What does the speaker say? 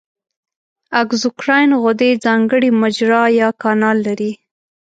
اګزوکراین غدې ځانګړې مجرا یا کانال لري.